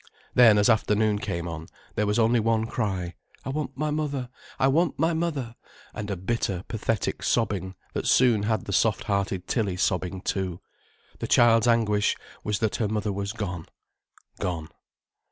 Then, as afternoon came on, there was only one cry—"I want my mother, I want my mother——" and a bitter, pathetic sobbing that soon had the soft hearted Tilly sobbing too. The child's anguish was that her mother was gone, gone.